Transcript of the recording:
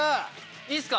いいっすか？